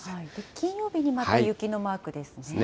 金曜日にはまた雪のマークですね。ですね。